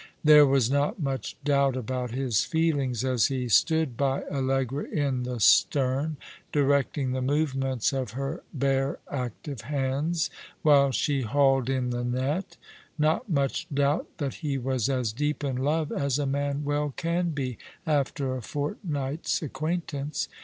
There was not much doubt about his feelings as he stood by Allegra in the stern, directing the movements of her bare active hands while she hauled in the net ; not much doubt that he was as deep in love as a man well can be after a fortnight's acquaintance.